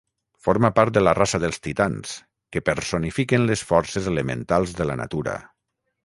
Forma part de la raça dels Titans, que personifiquen les forces elementals de la natura.